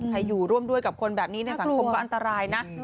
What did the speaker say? อยู่ร่วมด้วยกับคนแบบนี้ในสังคมก็อันตรายนะ